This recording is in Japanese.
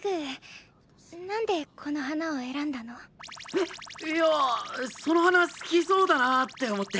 えっいやあその花好きそうだなーって思って！